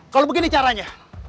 kalau begini caranya